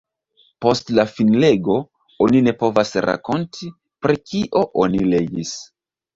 Post la finlego, oni ne povas rakonti, pri kio oni legis.